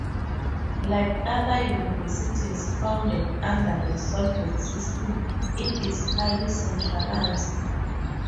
Like other universities founded under the Soviet system, it is highly centralized.